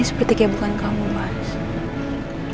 seperti kayak bukan kamu mas